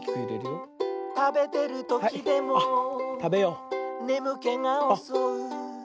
「たべてるときでもねむけがおそう」